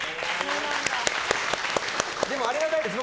でもありがたいです。